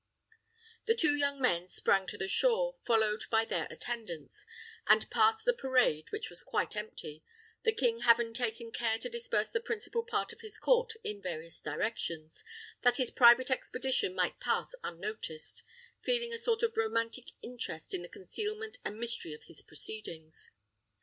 The two young men sprang to the shore, followed by their attendants, and passed the parade, which was quite empty, the king having taken care to disperse the principal part of his court in various directions, that his private expedition might pass unnoticed, feeling a sort of romantic interest in the concealment and mystery of his proceedings.